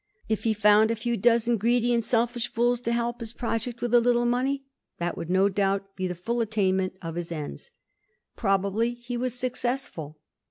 If he found a few dozen greedy and selfish fools to help his pro ject with a little money, that would no doubt be the full attainment of his ends. Probably he was suc cessful.